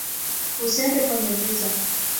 Usiende kwenye vita